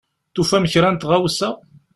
Tufam kra n tɣawsa?